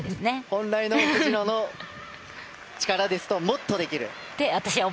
本来の藤野の力ですと、もっとできると。